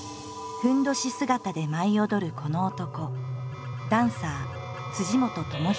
ふんどし姿で舞い踊るこの男。